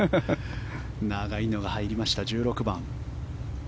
長いのが入りました１６番。